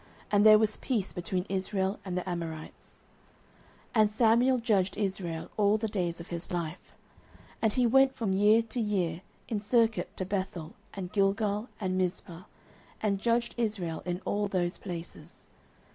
And there was peace between Israel and the Amorites. 09:007:015 And Samuel judged Israel all the days of his life. 09:007:016 And he went from year to year in circuit to Bethel, and Gilgal, and Mizpeh, and judged Israel in all those places.